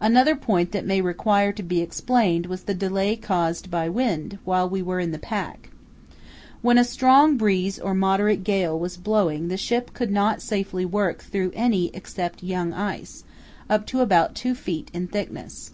Another point that may require to be explained was the delay caused by wind while we were in the pack. When a strong breeze or moderate gale was blowing the ship could not safely work through any except young ice, up to about two feet in thickness.